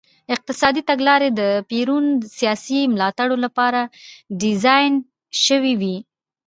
اقتصادي تګلارې د پېرون سیاسي ملاتړو لپاره ډیزاین شوې وې.